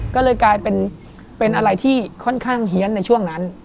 ก็เลยกลายเป็นอะไรที่ค่อนข้างเฮียนในช่วงนั้น